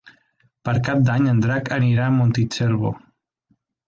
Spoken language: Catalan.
Per Cap d'Any en Drac anirà a Montitxelvo.